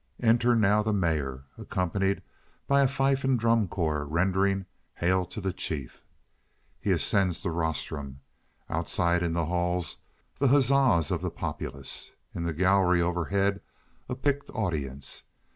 Enter now the mayor, accompanied by a fife and drum corps rendering "Hail to the Chief." He ascends the rostrum. Outside in the halls the huzzas of the populace. In the gallery overhead a picked audience.